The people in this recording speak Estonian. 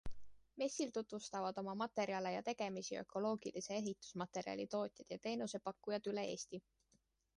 Messil tutvustavad oma materjale ja tegemisi ökoloogilise ehitusmaterjali tootjad ja teenusepakkujad üle Eesti.